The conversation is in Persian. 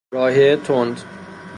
رایحه تند